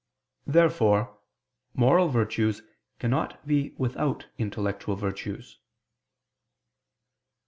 Therefore moral virtues cannot be without intellectual virtues.